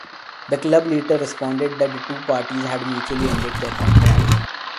The club later responded that the two parties had mutually ended their contract.